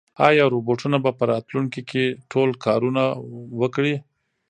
ایا روبوټونه به په راتلونکي کې ټول کارونه وکړي؟